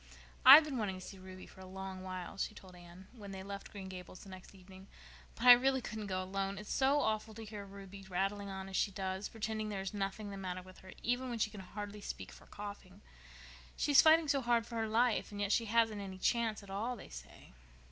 "I've been wanting to go to see Ruby for a long while," she told Anne, when they left Green Gables the next evening, "but I really couldn't go alone. It's so awful to hear Ruby rattling on as she does, and pretending there is nothing the matter with her, even when she can hardly speak for coughing. She's fighting so hard for her life, and yet she hasn't any chance at all, they say."